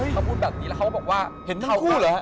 เขาพูดแบบนี้แล้วเขาก็บอกว่าเห็นเทาคู่เหรอฮะ